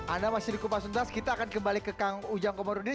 anda masih di kupas tuntas kita akan kembali ke kang ujang komarudin